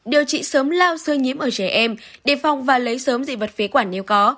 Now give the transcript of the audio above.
điều trị sớm lao sơ nhiễm ở trẻ em đề phòng và lấy sớm dị vật phế quản nếu có